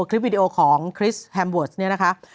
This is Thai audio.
คลิปวิดีโอของคริสแฮมเวิร์สเนี่ยนะคะ